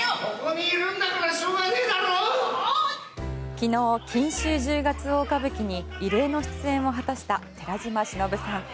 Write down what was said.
昨日、「錦秋十月大歌舞伎」に異例の出演を果たした寺島しのぶさん。